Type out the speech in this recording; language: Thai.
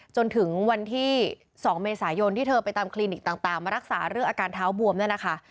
จนถึงวันที่๒เมษายนที่เธอไปตามคลินิกต่างมารักษาเรื่องอาการเท้าบวมเนี่ยนะคะ